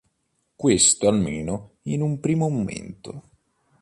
Questo almeno in un primo momento.